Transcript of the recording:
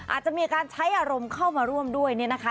อาจจะมีการใช้อารมณ์เข้ามาร่วมด้วยเนี่ยนะคะ